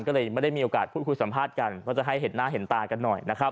ก็เลยไม่ได้มีโอกาสพูดคุยสัมภาษณ์กันก็จะให้เห็นหน้าเห็นตากันหน่อยนะครับ